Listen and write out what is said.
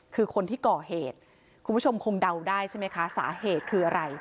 คือคนที่ก่อเหตุคุณผู้ชมคงเดาได้ใช่ไหมคะสาเหตุคืออะไร